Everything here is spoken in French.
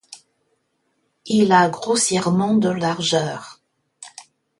Il a grossièrement de largeur.